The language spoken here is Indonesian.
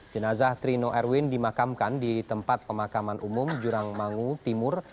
jenazah trino erwin dimakamkan di tempat pemakaman umum jurangmangu timur